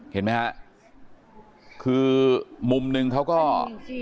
เห็นมั้ยครับคือมุมหนึ่งเขาก็เอ๊ะ